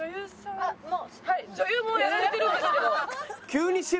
女優もやられてるんですけど。